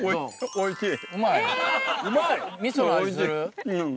おいしい。